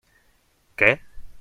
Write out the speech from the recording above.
Què?